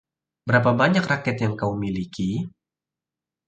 Berapa banyak raket yang kau miliki?